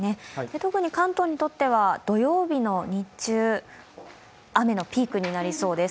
特に関東にとっては土曜日の日中、雨のピークになりそうです。